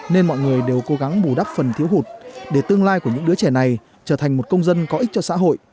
nên mọi người đều cố gắng bù đắp phần thiếu hụt để tương lai của những đứa trẻ này trở thành một công dân có ích cho xã hội